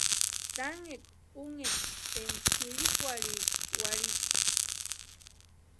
Tanhekwa únheti énka sïrikukwarhikʼa warhiiti.